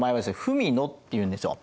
「文野」っていうんですよ。